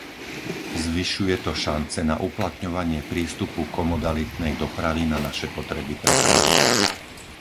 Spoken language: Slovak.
Zvyšuje to šance na uplatňovanie prístupu komodalitnej dopravy na naše potreby prepravy.